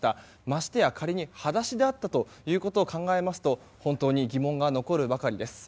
ましてや仮に裸足であったということを考えますと本当に疑問が残るばかりです。